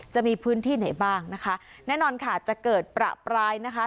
จะมีพื้นที่ไหนบ้างนะคะแน่นอนค่ะจะเกิดประปรายนะคะ